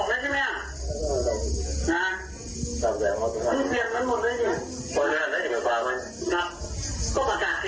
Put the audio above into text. เออ